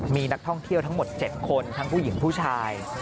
มีนักท่องเที่ยวทั้งหมด๗คนทั้งผู้หญิงผู้ชาย